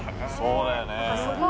そうだよね。